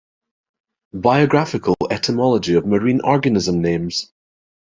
Biographical Etymology of Marine Organism Names.